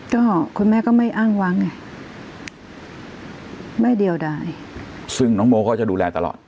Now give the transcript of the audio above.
ก็คุณแม่ก็ไม่อ้างวางไงไม่เดียวได้ซึ่งน้องโมก็จะดูแลตลอด